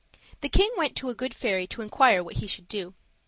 The king went to a good fairy to inquire what he should do.